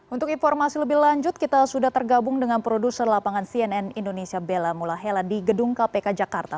untuk informasi lebih lanjut kita sudah tergabung dengan produser lapangan cnn indonesia bella mulahela di gedung kpk jakarta